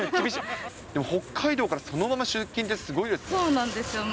でも北海道からそのまま出勤ってすごいですね。